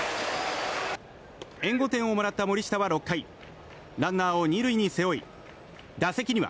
援護点をもらった森下は６回ランナーを２塁に背負い打席には